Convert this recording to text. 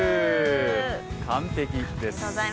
完璧です。